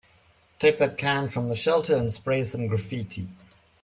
Take that can from the shelter and spray some graffiti.